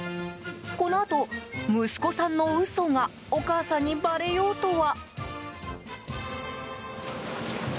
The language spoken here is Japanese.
このあと、息子さんの嘘がお母さんにバレようとは。